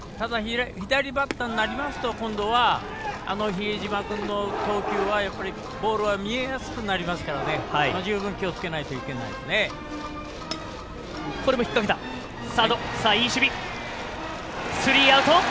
左バッターになりますと今度は、あの比江島君の投球はボールは見えやすくなりますから十分気をつけないとスリーアウト。